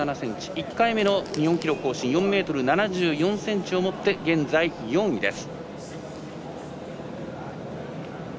１回目の日本記録更新４ｍ７４ｃｍを持って現在４位です。